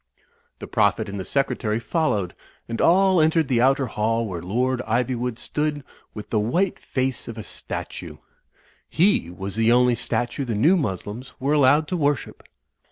The Prophet and the Secretary followed; and all entered the outer hall where Lord Ivywood stood with the white face of a statue. He was the only statue the New Moslems were allowed to worship.